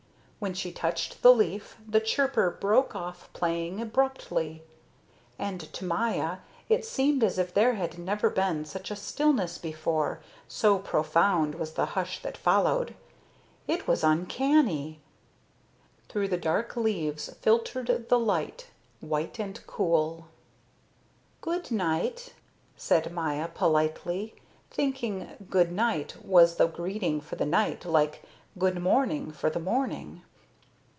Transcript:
When she touched the leaf, the chirper broke off playing abruptly, and to Maya it seemed as if there had never been such a stillness before, so profound was the hush that followed. It was uncanny. Through the dark leaves filtered the light, white and cool. "Good night," said Maya, politely, thinking "good night" was the greeting for the night like "good morning" for the morning.